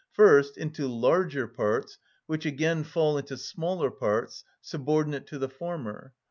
First, into larger parts, which again fall into smaller parts, subordinate to the former.